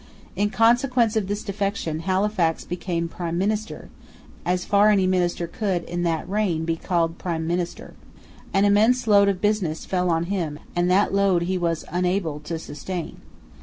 In consequence of this defection, Halifax became prime minister, as far any minister could, in that reign, be called prime minister. An immense load of business fell on him; and that load he was unable to sustain.